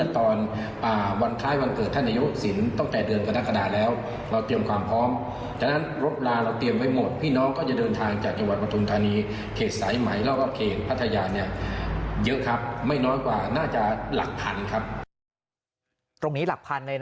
ตรงนี้หลักพันธุ์เลยนะฮะ